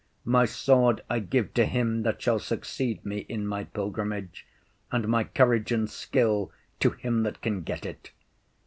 My sword I give to him that shall succeed me in my pilgrimage, and my courage and skill to him that can get it.